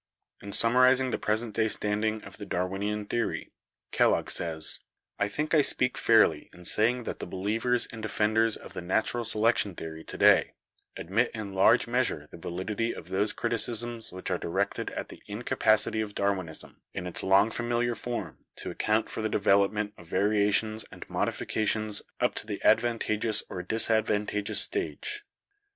In summarizing the present day standing of the Dar winian theory, Kellogg says: "I think I speak fairly in saying that the believers and defenders of the natural selection theory to day admit in large measure the validity of those criticisms which are directed at the incapacity of Darwinism, in its long familiar form, to account for the development of variations and modifications up to the advantageous or disadvantageous stage.